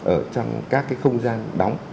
ở trong các cái không gian đóng